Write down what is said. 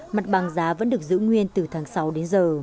mặt bằng giá vẫn được giữ nguyên từ tháng sáu đến giờ